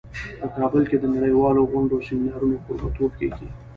په کابل کې د نړیوالو غونډو او سیمینارونو کوربه توب کیږي